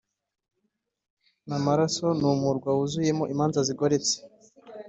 namaraso numurwa wuzuyemo imanza zigoretse